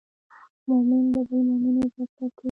مؤمن د بل مؤمن عزت ساتي.